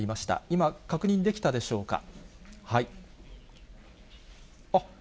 今、確認できたでしょうか。